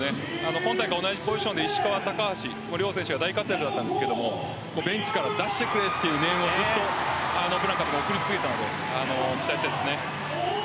今大会、同じポジションで石川と高橋の両選手大活躍だったんですがベンチから出してくれという念をずっと送り続けていたので期待したいです。